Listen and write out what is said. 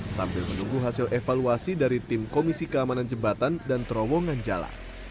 sambil menunggu hasil evaluasi dari tim komisi keamanan jembatan dan terowongan jalan